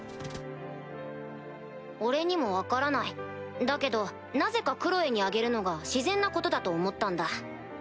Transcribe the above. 俺にも分からないだけどなぜかクロエにあげるのが自然なことだと思ったんだ。